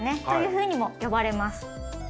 というふうにも呼ばれます。